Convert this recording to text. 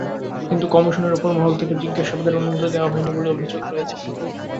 কিন্তু কমিশনের ওপর মহল থেকে জিজ্ঞাসাবাদের অনুমতি দেওয়া হয়নি বলে অভিযোগ রয়েছে।